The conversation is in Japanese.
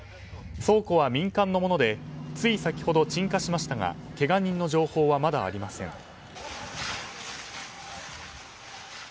倉庫は民間のものでつい先ほど、鎮火しましたがけが人の情報はまだありません。